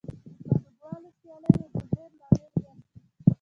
د پانګوالو سیالي یو مهم لامل ګرځي